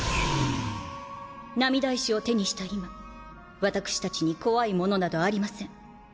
涙石を手にした今私たちに怖いものなどありません